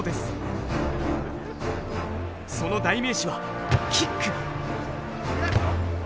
その代名詞はキック！